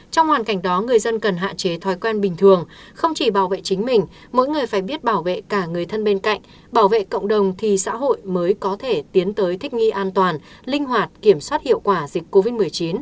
trong hoàn cảnh đó người dân cần hạn chế thói quen bình thường không chỉ bảo vệ chính mình mỗi người phải biết bảo vệ cả người thân bên cạnh bảo vệ cộng đồng thì xã hội mới có thể tiến tới thích nghi an toàn linh hoạt kiểm soát hiệu quả dịch covid một mươi chín